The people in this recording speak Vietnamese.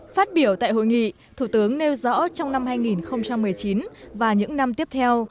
phát biểu tại hội nghị thủ tướng nêu rõ trong năm hai nghìn một mươi chín và những năm tiếp theo